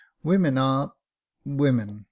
" Women are — women !